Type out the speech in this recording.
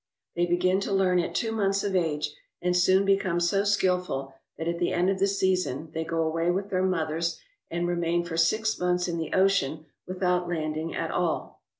They begin to learn at two months of age, and soon become so skillful that at the end of the season they go away with their mothers and remain for six months in the ocean without landing at all.